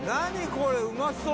これうまそう！」